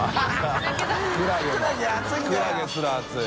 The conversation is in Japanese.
キクラゲすら熱い。